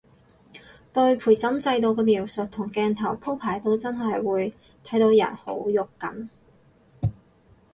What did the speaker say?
對陪審制度個描述同鏡頭鋪排都真係會睇到人好肉緊